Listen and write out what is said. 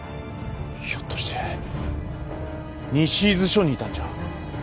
ひょっとして西伊豆署にいたんじゃ？